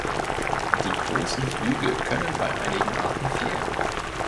Die großen Flügel können bei einigen Arten fehlen.